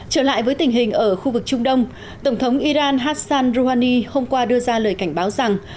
trở lại với tình hình ở khu vực trung đông tổng thống iran hassan rouhani hôm qua đưa ra lời cảnh báo rằng